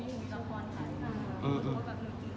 มันเหมือนอันแรกเลยเราตกใจว่า